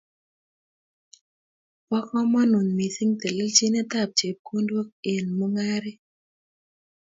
Bo komonut mising telelchinetab chepkondok eng' mungaret